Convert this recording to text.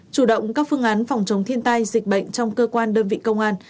chủ động các phương án phòng chống thiên tai dịch bệnh trong cơ quan đơn vị công an